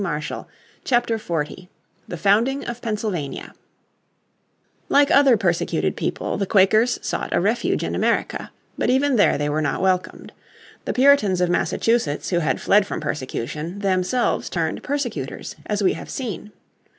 __________ Chapter 40 The Founding of Pennsylvania Like other persecuted people, the Quakers sought a refuge in America. But even there they were not welcomed. The Puritans of Massachusetts who had fled from persecution, themselves turned persecutors as we have seen.